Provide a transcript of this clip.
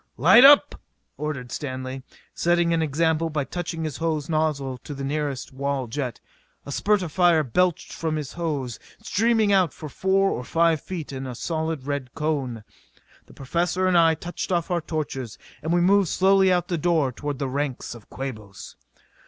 "Light up!" ordered Stanley, setting an example by touching his hose nozzle to the nearest wall jet. A spurt of fire belched from his hose, streaming out for four or five feet in a solid red cone. The Professor and I touched off our torches; and we moved slowly out the door toward the ranks of Quabos.